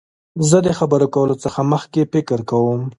زه د خبرو کولو څخه مخکي فکر کوم.